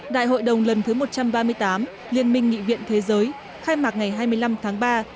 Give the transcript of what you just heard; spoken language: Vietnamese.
đại hội đồng lần thứ một trăm ba mươi tám liên minh nghị viện thế giới khai mạc ngày hai mươi năm tháng ba